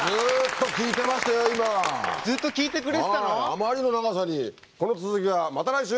あまりの長さにこの続きはまた来週。